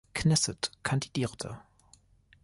Knesset kandidierte.